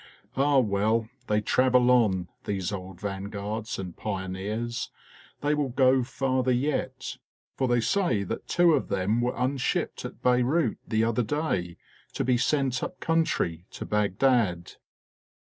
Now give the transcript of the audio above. Ah well, they travel on, these old Vanguards and Pioneers : they will go farther yet. For they say that two of them were un shipped at Beirout the other day, to be sent up country, to Bagdad.